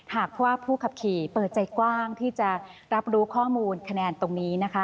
หากว่าผู้ขับขี่เปิดใจกว้างที่จะรับรู้ข้อมูลคะแนนตรงนี้นะคะ